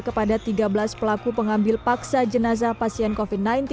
kepada tiga belas pelaku pengambil paksa jenazah pasien covid sembilan belas